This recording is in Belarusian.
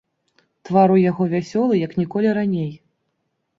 Твар у яго вясёлы як ніколі раней.